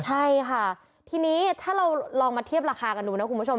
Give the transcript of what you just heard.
ใช่ค่ะทีนี้ถ้าเราลองมาเทียบราคากันดูนะคุณผู้ชม